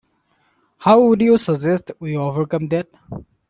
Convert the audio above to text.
How would you suggest we overcome that?